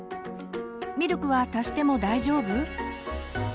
「ミルクは足しても大丈夫？」。